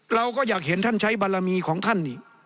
เราก็อยากเห็นท่านใช้บารมีของท่านนี่